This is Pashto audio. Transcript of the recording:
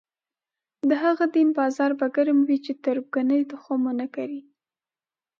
د هغه دین بازار به ګرم وي چې تربګنۍ تخم ونه کري.